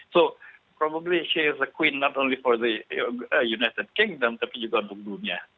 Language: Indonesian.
jadi mungkin dia adalah perempuan bukan hanya untuk kerajaan amerika serikat tapi juga untuk dunia